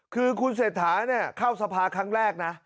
คือคุณเศรษฐาเข้าสภาครั้งแรกนะ